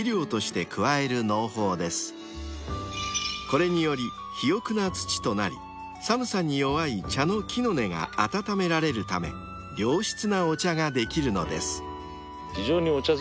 ［これにより肥沃な土となり寒さに弱い茶の木の根が温められるため良質なお茶ができるのです］